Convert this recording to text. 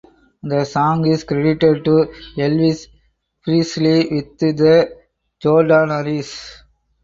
The song is credited to Elvis Presley with The Jordanaires.